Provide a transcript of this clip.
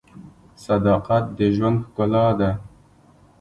• صداقت د ژوند ښکلا ده.